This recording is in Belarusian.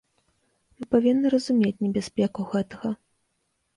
Мы павінны разумець небяспеку гэтага.